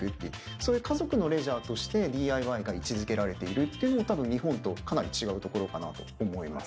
そういう家族のレジャーとしてＤＩＹが位置づけられているっていうのが多分日本とかなり違うところかなと思います。